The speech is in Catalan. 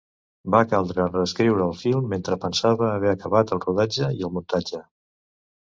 Va caldre reescriure el film mentre pensava haver acabat el rodatge i el muntatge.